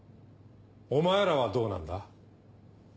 お前らはどうなんだ？